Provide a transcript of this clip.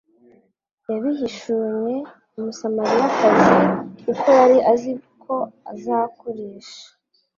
yabihishunye Umusamaliyakazi kuko yari azi ko azakoresha –